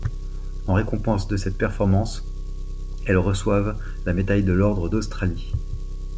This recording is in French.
En récompense de cette performance, elles reçoivent la médaille de l'Ordre d'Australie.